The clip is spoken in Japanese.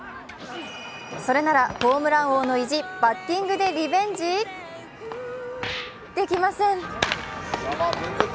それならホームラン王の意地、バッティングでリベンジできません。